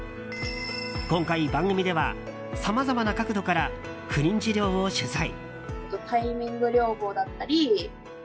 今回番組ではさまざまな角度から不妊治療を取材。